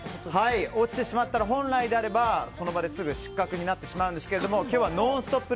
本来であれば、その場ですぐ失格になってしまうんですが今日は「ノンストップ！」